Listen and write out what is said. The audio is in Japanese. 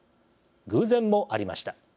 偶然もありました。